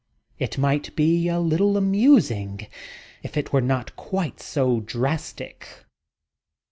It might be a little amusing if it were not quite so drastic.